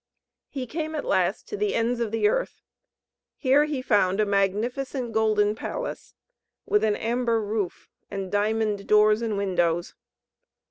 He came at last to the ends of the earth. Here he found a magnificent golden palace, with an amber roof, and diamond doors and windows.